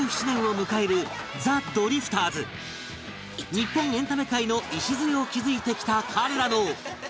日本エンタメ界の礎を築いてきた彼らの